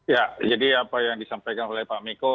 ya jadi apa yang disampaikan oleh pak miko